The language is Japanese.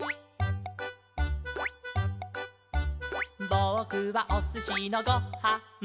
「ぼくはおすしのご・は・ん」